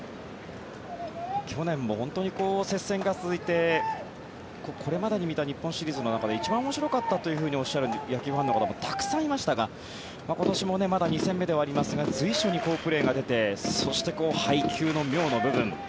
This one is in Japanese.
去年も本当に接戦が続いてこれまでに見た日本シリーズの中で一番面白かったとおっしゃる野球ファンの方もたくさんいましたが今年もまだ２戦目ではありますが随所に好プレーが出てそして配球の妙の部分。